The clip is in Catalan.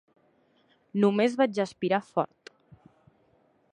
Només vaig aspirar fort.